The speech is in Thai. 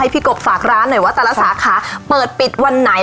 กบฝากร้านหน่อยว่าแต่ละสาขาเปิดปิดวันไหน